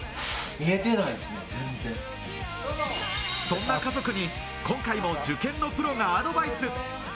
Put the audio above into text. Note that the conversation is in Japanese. そんな家族に今回も受験のプロがアドバイス。